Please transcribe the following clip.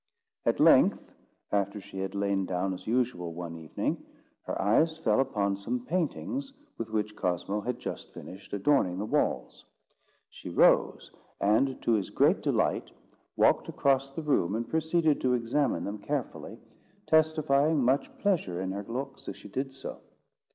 At length, after she had lain down as usual one evening, her eyes fell upon some paintings with which Cosmo had just finished adorning the walls. She rose, and to his great delight, walked across the room, and proceeded to examine them carefully, testifying much pleasure in her looks as she did so.